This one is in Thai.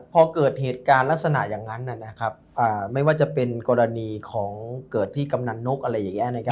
พอเกิดเหตุการณ์ลักษณะอย่างนั้นไม่ว่าจะเป็นกรณีของเกิดที่กำนันนกอะไรอย่างนี้